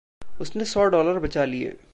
उसने सौ डॉलर बचा लिए।